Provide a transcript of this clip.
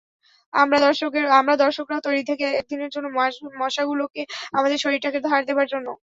আমরা দর্শকরাও তৈরি থাকি একদিনের জন্য মশাগুলোকে আমাদের শরীরটাকে ধার দেবার জন্য।